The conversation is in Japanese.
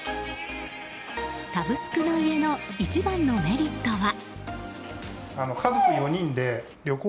サブスクの家の一番のメリットは。